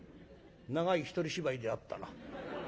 「長い一人芝居であったな。